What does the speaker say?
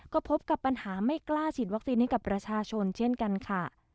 ก็พบกับปัญหาไม่กล้าฉีดวัคซีนให้กับประชาชนเช่นกันค่ะ